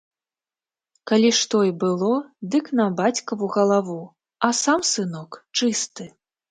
Калі што і было, дык на бацькаву галаву, а сам сынок чысты.